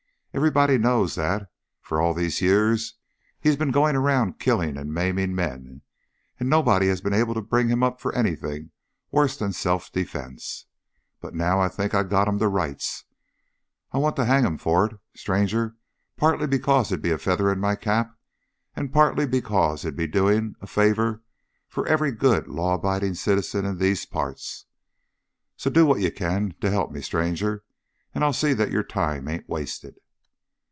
Everybody knows that, for all these years, he's been going around killing and maiming men, and nobody has been able to bring him up for anything worse'n self defense. But now I think I got him to rights, and I want to hang him for it, stranger, partly because it'd be a feather in my cap, and partly because it'd be doing a favor for every good, law abiding citizen in these parts. So do what you can to help me, stranger, and I'll see that your time ain't wasted."